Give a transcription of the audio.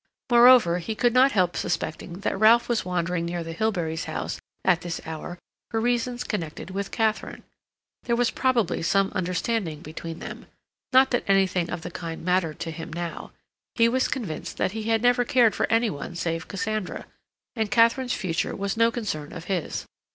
Moreover, he could not help suspecting that Ralph was wandering near the Hilberys' house, at this hour, for reasons connected with Katharine. There was probably some understanding between them—not that anything of the kind mattered to him now. He was convinced that he had never cared for any one save Cassandra, and Katharine's future was no concern of his.